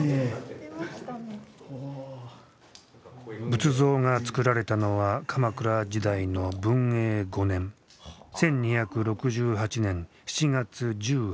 仏像がつくられたのは鎌倉時代の文永５年１２６８年７月１８日。